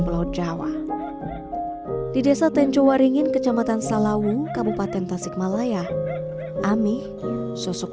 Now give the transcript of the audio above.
pulau jawa di desa tencowaringin kecamatan salawung kabupaten tasikmalaya amih sosok